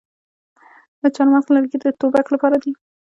د چهارمغز لرګي د ټوپک لپاره دي.